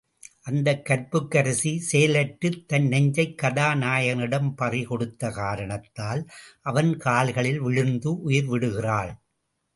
அந்தக் கற்புக்கரசி செயலற்றுத் தன் நெஞ்சைக் கதா நாயகனிடம் பறிகொடுத்த காரணத்தால் அவன் கால்களில் விழுந்து உயிர்விடுகிறாள்.